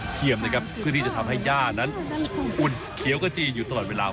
เพื่อที่จะทำให้ย่านั้นอุ่นเขียวกระจีนอยู่ตลอดเวลา